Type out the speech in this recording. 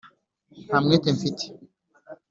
nta mwete mfite